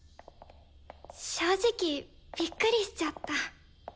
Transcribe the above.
正直びっくりしちゃった。